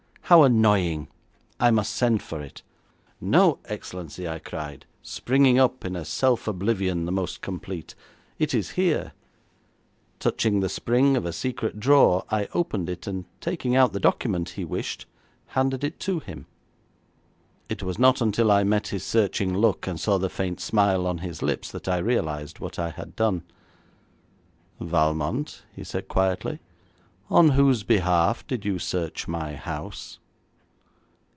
How annoying! I must send for it!' 'No, Excellency,' I cried, springing up in a self oblivion the most complete, 'it is here.' Touching the spring of a secret drawer, I opened it, and taking out the document he wished, handed it to him. It was not until I met his searching look, and saw the faint smile on his lips that I realised what I had done. 'Valmont,' he said quietly, 'on whose behalf did you search my house?'